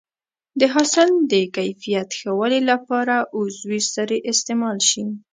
د حاصل د کیفیت ښه والي لپاره عضوي سرې استعمال شي.